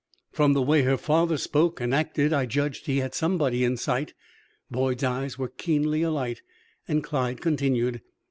"From the way her father spoke and acted I judged he had somebody in sight." Boyd's eyes were keenly alight, and Clyde continued.